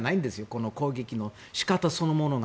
この攻撃の仕方そのものが。